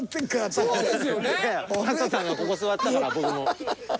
角田さんがここ座ったから僕も。